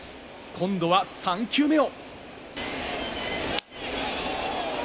今度は３球目を。